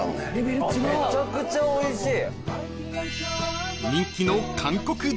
めちゃくちゃおいしい。